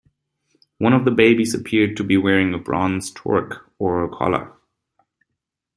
One of the babies appeared to be wearing a bronze torque, or collar.